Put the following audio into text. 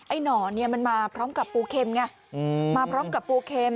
หนอนเนี่ยมันมาพร้อมกับปูเค็มไงมาพร้อมกับปูเข็ม